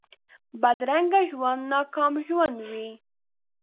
بدرنګه ژوند ناکام ژوند وي